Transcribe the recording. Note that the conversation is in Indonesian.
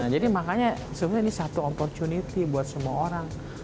jadi makanya sebenarnya ini satu opportunity buat semua orang